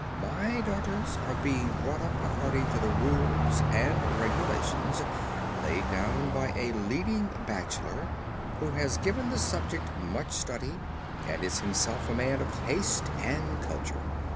My daughters are being brought up according to the rules and regulations laid down by a leading bachelor who has given the subject much study and is himself a man of taste and culture.